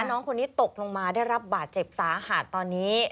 น้องคนนี้ตกลงมาได้รับบาดเจ็บสาหัสตอนนี้